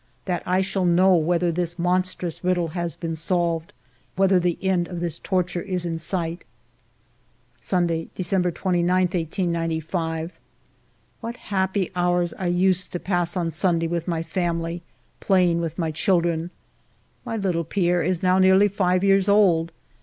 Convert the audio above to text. That I shall know whether this monstrous riddle has been solved, whether the end of this torture is in sight. Sunday y December 29, 1895. What happy hours I used to pass on Sunday with my family, playing with my children ! My little Pierre is now nearly five years old.